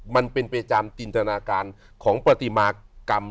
มันเป็นไปตามจินตนาการของปฏิมากรรม